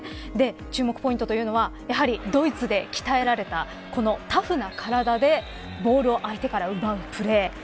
注目ポイントはやはりドイツで鍛えられたこのタフな体でボールを相手から奪うプレー。